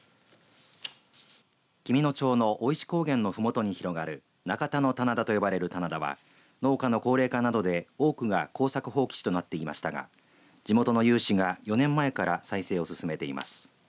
紀美野町の生石高原のふもとに広がる中田の棚田と呼ばれる棚田は農家の高齢化などで、多くが耕作放棄地となっていましたが地元の有志が４年前から再生を進めています。